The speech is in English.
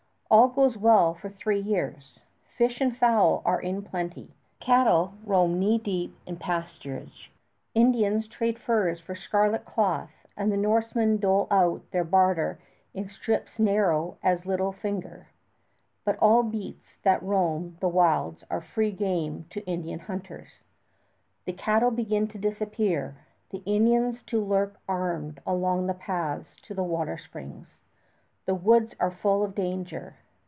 All goes well for three years. Fish and fowl are in plenty. Cattle roam knee deep in pasturage. Indians trade furs for scarlet cloth and the Norsemen dole out their barter in strips narrow as a little finger; but all beasts that roam the wilds are free game to Indian hunters. The cattle begin to disappear, the Indians to lurk armed along the paths to the water springs. The woods are full of danger.